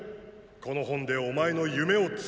この本でお前の夢を紡げ。